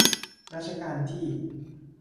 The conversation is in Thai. รัชกาลที่